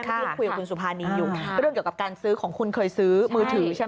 ที่คุยกับคุณสุภานีอยู่เรื่องเกี่ยวกับการซื้อของคุณเคยซื้อมือถือใช่ไหม